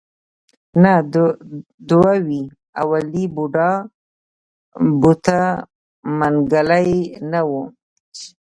نه دوه وې اولې بوډا بوته منګلی نه و.